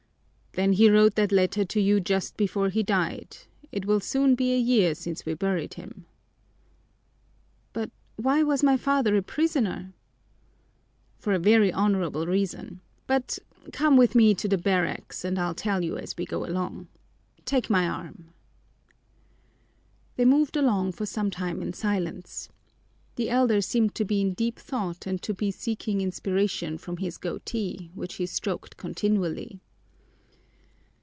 "Then he wrote that letter to you just before he died. It will soon be a year since we buried him." "But why was my father a prisoner?" "For a very honorable reason. But come with me to the barracks and I'll tell you as we go along. Take my arm." They moved along for some time in silence. The elder seemed to be in deep thought and to be seeking inspiration from his goatee, which he stroked continually.